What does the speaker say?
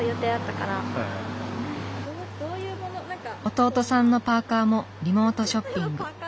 弟さんのパーカーもリモートショッピング。